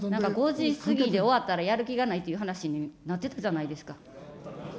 ５時過ぎで終わったら、やる気がないという話になってたじゃないですか。